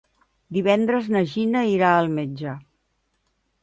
Divendres na Gina irà al metge.